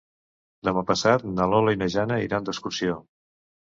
Demà passat na Lola i na Jana iran d'excursió.